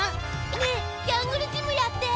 ねえジャングルジムやって！